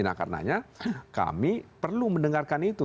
nah karenanya kami perlu mendengarkan itu